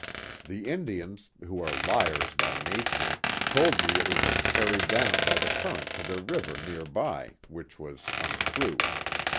The Indians, who are liars by nature, told me it had been carried down by the current to the river near by, which was untrue."